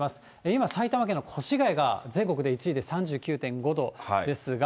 今、埼玉県の越谷が全国で１位で３９．５度ですが。